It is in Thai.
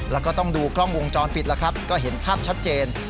แล้วก็ต้องดูกล้องวงจรปิดแล้วครับก็เห็นภาพชัดเจน